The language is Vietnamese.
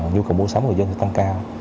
nhu cầu mua sắm người dân sẽ tăng cao